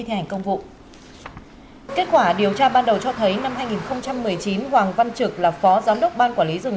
thi hành công vụ kết quả điều tra ban đầu cho thấy năm hai nghìn một mươi chín hoàng văn trực là phó giám đốc ban quản lý rừng